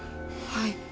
はい。